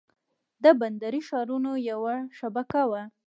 د بندري ښارونو یوه شبکه وه.